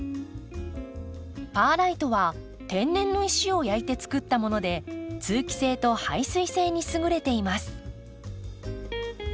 パーライトは天然の石を焼いて作ったもので通気性と排水性に優れています。